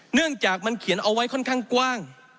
เนื่องจากมันเขียนเอาไว้ค่อนข้างกว้าง